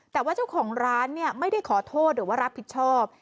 แต่ว่าเจ้าของร้านไม่ได้ขอโทษหรือว่ารับผิดชอบ